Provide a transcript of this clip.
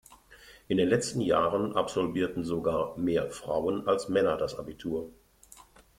In den letzten Jahren absolvierten sogar mehr Frauen als Männer das Abitur.